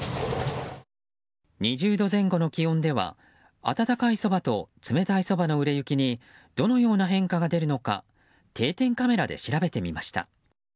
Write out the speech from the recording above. ２０度前後の気温では温かいそばと冷たいそばの売れ行きにどのような変化が出るのか定点カメラで調べてみました。